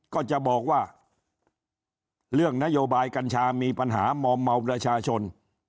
ก็จะบอกว่าเรื่องนโยบายกัญชามีปัญหามอมเมาประชาชน